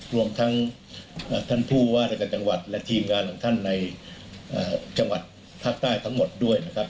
รวมทั้งท่านผู้ว่ารายการจังหวัดและทีมงานของท่านในจังหวัดภาคใต้ทั้งหมดด้วยนะครับ